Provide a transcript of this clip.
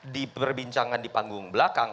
di perbincangan di panggung belakang